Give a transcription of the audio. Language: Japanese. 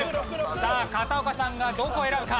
さあ片岡さんがどこを選ぶか？